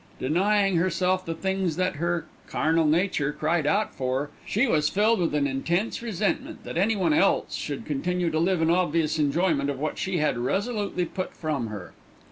Denying herself the things that her "carnal nature" cried out for, she was filled with an intense resentment that anyone else should continue to live in obvious enjoyment of what she had resolutely put from her.